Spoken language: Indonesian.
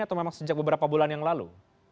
atau memang sejak beberapa bulan yang lalu